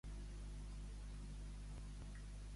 On és ara Mundó?